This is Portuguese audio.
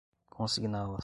consigná-las